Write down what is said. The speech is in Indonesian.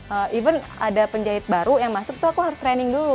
even ada penjahit baru yang masuk tuh aku harus training dulu